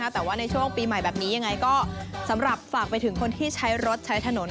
แต่ว่าในช่วงปีใหม่แบบนี้ยังไงก็สำหรับฝากไปถึงคนที่ใช้รถใช้ถนน